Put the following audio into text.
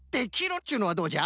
っちゅうのはどうじゃ？